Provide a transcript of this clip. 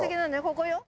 ここよ。